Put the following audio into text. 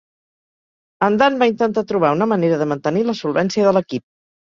En Dunn va intentar trobar una manera de mantenir la solvència de l'equip.